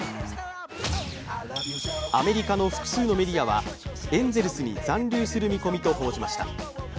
アメリカの複数メディアは、エンゼルスに残留する見込みと報じました。